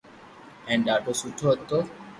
ھين ڌاڌو سٺو ھتو